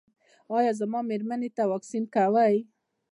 ایا زما میرمنې ته واکسین کوئ؟